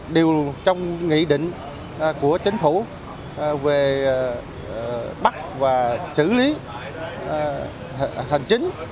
điều trong nghị định của chính phủ về bắt và xử lý hành chính